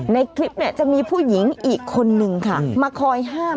ในคลิปเนี่ยจะมีผู้หญิงอีกคนนึงค่ะมาคอยห้าม